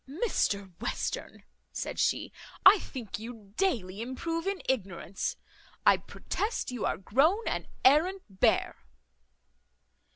"Mr Western," said she, "I think you daily improve in ignorance. I protest you are grown an arrant bear."